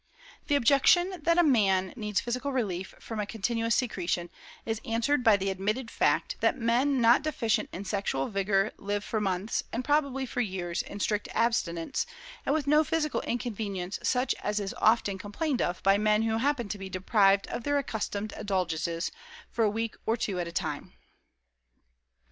The objection that man needs physical relief from a continuous secretion is answered by the admitted fact that men not deficient in sexual vigor live for months, and probably for years, in strict abstinence, and with no physical inconvenience such as is often complained of by men who happen to be deprived of their accustomed indulgence for a week or two at a time."